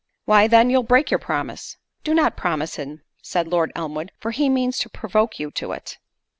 "Why, then, you'll break your promise." "Do not promise him," said Lord Elmwood, "for he means to provoke you to it."